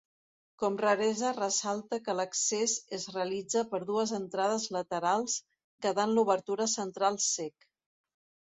Com raresa ressalta que l'accés es realitza per dues entrades laterals quedant l'obertura central cec.